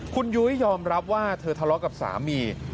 คุณยุ้ยยอมรับว่าเธอทะเลาะกับสามี